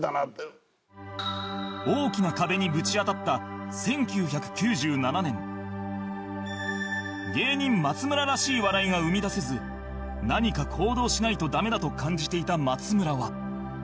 大きな壁にぶち当たった芸人松村らしい笑いが生み出せず何か行動しないとダメだと感じていた松村は